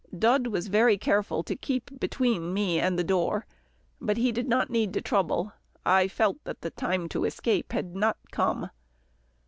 Dud was very careful to keep between me and the door, but he did not need to trouble. I felt that the time to escape had not come.